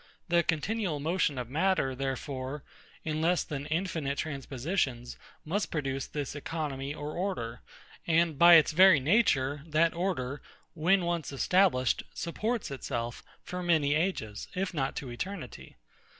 The continual motion of matter, therefore, in less than infinite transpositions, must produce this economy or order; and by its very nature, that order, when once established, supports itself, for many ages, if not to eternity.